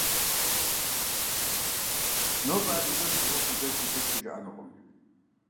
Нобэ адыгэм ди Ӏуэхур дэкӀыу сэ схужыӀэнукъым.